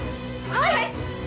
はい！